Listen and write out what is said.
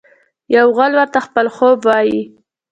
یو غل ورته خپل خوب وايي.